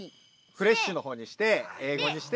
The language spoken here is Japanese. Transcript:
フレッシュのほうにして英語にして。